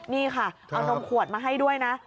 นี่ค่ะเอานมขวดมาให้ด้วยนะ